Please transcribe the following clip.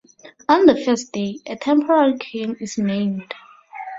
On the first day, a temporary king is named.